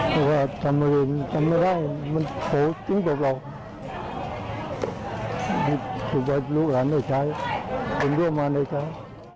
โทษจริงกว่าเราสุดยอดลูกหลังในชายเป็นเรื่องมากในชาย